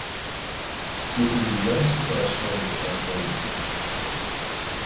Si inclinares tu corazón á la prudencia;